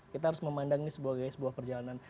kita harus memandang ini sebagai sebuah perjalanan